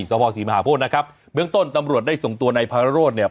สภศรีมหาโพธินะครับเบื้องต้นตำรวจได้ส่งตัวนายพาโรธเนี่ย